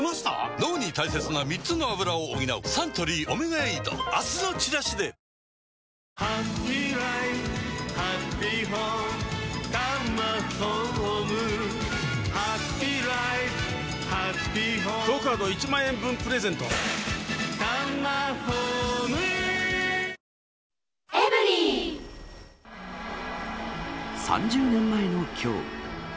脳に大切な３つのアブラを補うサントリー「オメガエイド」明日のチラシで３０年前のきょう。